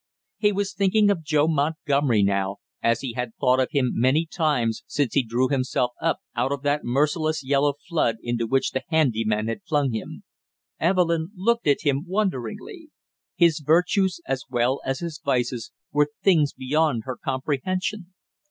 He was thinking of Joe Montgomery now, as he had thought of him many times since he drew himself up out of that merciless yellow flood into which the handy man had flung him. Evelyn looked at him wonderingly. His virtues, as well as his vices, were things beyond her comprehension.